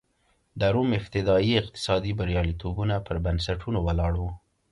د روم ابتدايي اقتصادي بریالیتوبونه پر بنسټونو ولاړ و